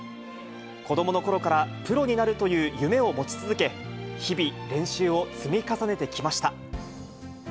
子どものころからプロになるという夢を持ち続け、日々、練習を積み重ねてきました。